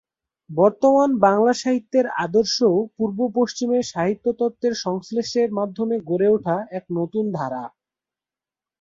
বর্তমান বাংলা সাহিত্যের আদর্শও পূর্ব-পশ্চিমের সাহিত্যতত্ত্বের সংশ্লেষের মাধ্যমে গড়ে ওঠা এক নতুন ধারা।